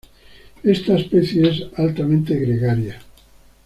Esta especie es altamente gregaria.